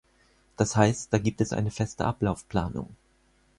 Das heißt, da gibt es eine feste Ablaufplanung.